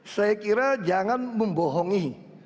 saya kira jangan membohongi